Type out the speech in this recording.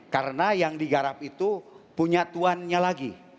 karena yang digarap itu punya tuannya lagi